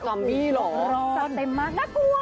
เจ้าเต็มมากน่ากลัวดูดิ